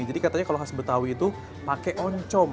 jadi katanya kalau khas betawi itu pakai oncom